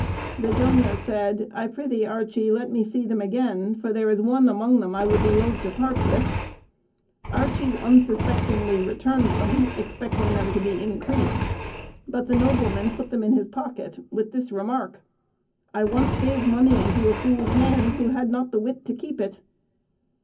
The donor said, "I prithee, Archie, let me see them again, for there is one among them I would be loth to part with." Archie unsuspectingly returned them, expecting them to be increased; but the nobleman put them in his pocket, with this remark, "I once gave money into a fool's hand, who had not the wit to keep it."